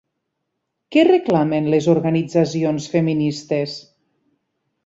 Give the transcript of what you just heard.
Què reclamen les organitzacions feministes?